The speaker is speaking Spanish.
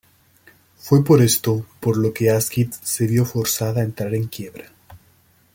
Fue por esto por lo que Asquith se vio forzada a entrar en quiebra.